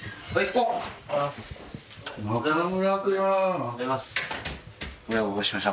おはようございます。